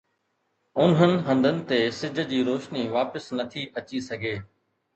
انهن هنڌن تي سج جي روشني واپس نٿي اچي سگهي.